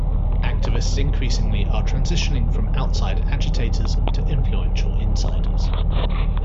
Activists increasingly are transitioning from outside agitators to influential insiders.